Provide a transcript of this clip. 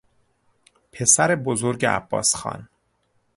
پسر بزرگ عباسخان